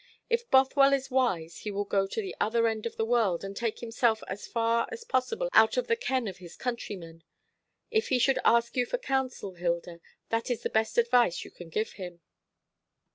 If Bothwell is wise he will go to the other end of the world, and take himself as far as possible out of the ken of his countrymen. If he should ask you for counsel, Hilda, that is the best advice you can give him."